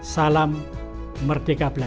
salam merdeka belajar